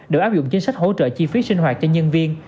được áp dụng chính sách hỗ trợ chi phí sinh hoạt cho nhân viên